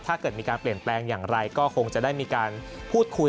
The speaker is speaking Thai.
ถ้าเกิดมีการเปลี่ยนแปลงอย่างไรก็คงจะได้มีการพูดคุย